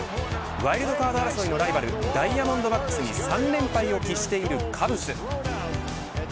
ワイルドカード争いのライバルダイヤモンドバックスに３連敗を喫しているカブス。